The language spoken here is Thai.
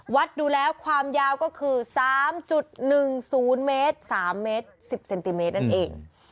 วัดดูแล้วความยาวก็คือ๓๑๐เมตร๓เมตร๑๐เซนติเมตรนั่นเอง